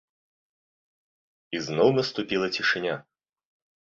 І зноў наступіла цішыня.